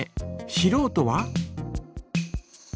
しろうとは？